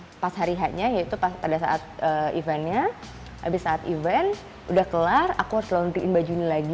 abis itu pas hari hatnya yaitu pada saat eventnya abis saat event udah kelar aku harus laundryin baju ini lagi